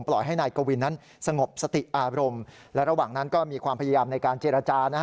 ให้นายกวินนั้นสงบสติอารมณ์และระหว่างนั้นก็มีความพยายามในการเจรจานะฮะ